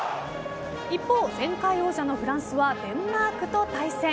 一方、前回王者のフランスはデンマークと対戦。